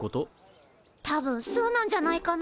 たぶんそうなんじゃないかな？